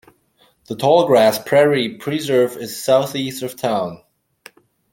The Tallgrass Prairie Preserve is southeast of town.